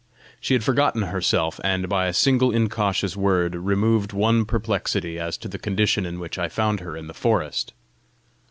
She had forgotten herself, and, by a single incautious word, removed one perplexity as to the condition in which I found her in the forest!